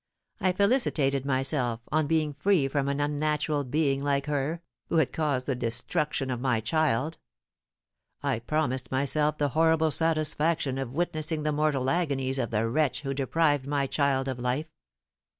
I felicitated myself on being free from an unnatural being like her, who had caused the destruction of my child; I promised myself the horrible satisfaction of witnessing the mortal agonies of the wretch who deprived my child of life.